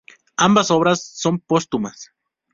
Ambas obras son póstumas.